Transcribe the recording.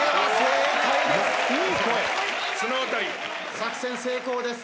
作戦成功です。